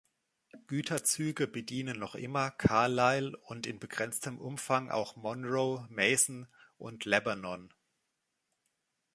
Güterzüge bedienen noch immer Carlisle und in begrenztem Umfang auch Monroe, Mason und Lebanon.